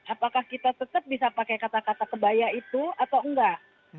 apakah kita tetap bisa pakai kata kata kebaya itu atau enggak